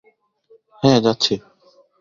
হ্যাঁ, যাচ্ছি।